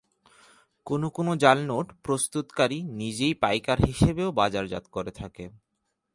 কোনো কোনো জাল নোট প্রস্তুতকারী নিজেই পাইকার হিসেবেও বাজারজাত করে থাকে।